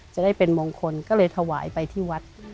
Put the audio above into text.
จะได้เป็นมงคลก็เลยถวายไปที่วัด